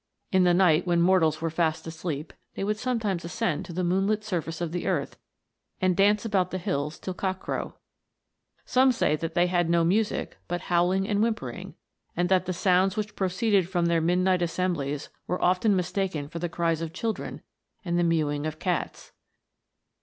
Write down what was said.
In the night, when mortals were fast asleep, they would sometimes ascend to the moon lit surface of the earth, and dance about the hills till cock crow. Some say that they had no music but howling and whimpering, and that the sounds which proceeded from their midnight assemblies were often mistaken 8 258 THE GNOMES. for the cries of children and the mewing of cats.